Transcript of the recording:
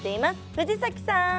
藤崎さん。